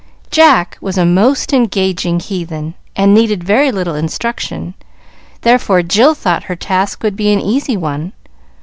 Jack was a most engaging heathen, and needed very little instruction; therefore Jill thought her task would be an easy one.